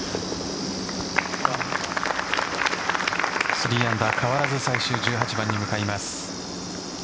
３アンダー変わらず最終１８番に向かいます。